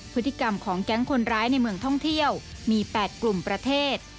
พฤติกรรมของแก๊งคนร้ายในเมืองท่องเที่ยวมี๘กลุ่มประเทศ